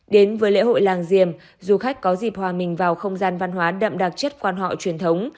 đến với lễ hội làng diềm du khách có dịp hòa mình vào không gian văn hóa đậm đặc chất quan họ truyền thống